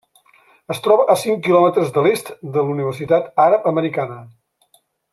Es troba a cinc quilòmetres a l'est de la Universitat Àrab Americana.